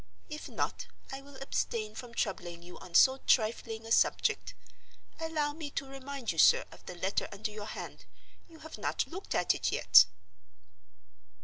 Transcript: If not, I will abstain from troubling you on so trifling a subject.—Allow me to remind you, sir, of the letter under your hand. You have not looked at it yet."